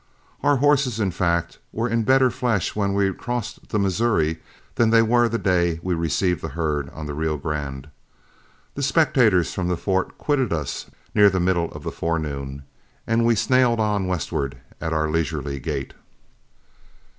Our horses, in fact, were in better flesh when we crossed the Missouri than they were the day we received the herd on the Rio Grande. The spectators from the fort quitted us near the middle of the forenoon, and we snailed on westward at our leisurely gait.